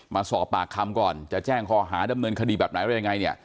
มาสอบปากคำก่อนจะแจ้งคอหาดำเนินคดีแบบไหนอะไรยังไงเนี่ย